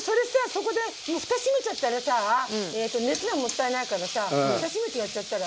そこでもうふた閉めちゃったらさ熱がもったいないからさふた閉めてやっちゃったら？